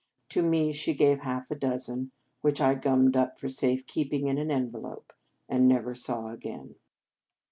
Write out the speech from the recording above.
To me she gave half a dozen, which I gummed up for safe keeping in an envelope, and never saw again.